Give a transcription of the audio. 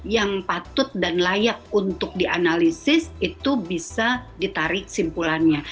yang patut dan layak untuk dianalisis itu bisa ditarik simpulannya